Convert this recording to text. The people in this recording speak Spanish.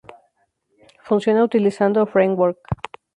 Funciona utilizando framework.